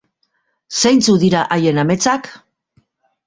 Zeintzuk dira haien ametsak?